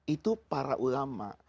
itu para ulama